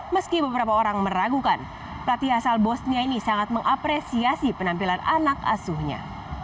meski beberapa orang meragukan pelatih asal bosnia ini sangat mengapresiasi penampilan anak asuhnya